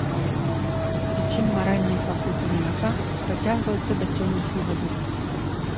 Прычым маральныя пакуты юнака працягваюцца да сённяшняга дня.